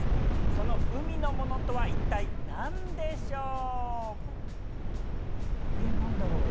その海のものとは一体何でしょう？